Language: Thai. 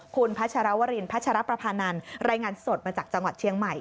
คุณพัชรวรินพัชรประพานันรายงานสดมาจากจังหวัดเชียงใหม่